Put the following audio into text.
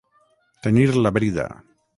Tenir la brida.